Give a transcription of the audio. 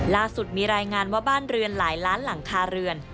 ล่าสุดมีรายงานว่าบ้านเรือนหลายล้านหลังคาเรือน